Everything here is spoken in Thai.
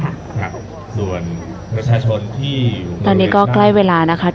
ครับส่วนประชาชนที่ตอนนี้ก็ใกล้เวลานะคะ